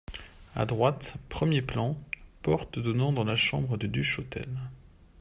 À droite, premier plan, porte donnant dans la chambre de Duchotel.